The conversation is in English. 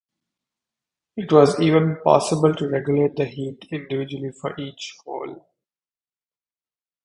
It was even possible to regulate the heat individually for each hole.